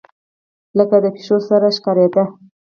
لکه د پيشو سر ښکارېدۀ